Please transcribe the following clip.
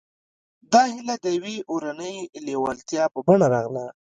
دا هيله د يوې اورنۍ لېوالتيا په بڼه راغله.